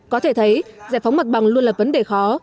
có thể thấy giải phóng mặt bằng luôn là vấn đề khó